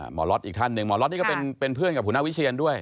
หมอล็อตอีกท่านหนึ่งหมอล็อตนี่ก็เป็นเพื่อนกับหัวหน้าวิเชียนด้วย